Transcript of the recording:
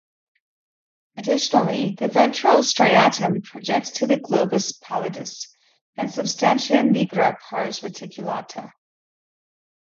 Additionally, the ventral striatum projects to the globus pallidus, and substantia nigra pars reticulata.